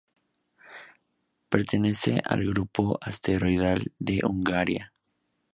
Pertenece al grupo asteroidal de Hungaria.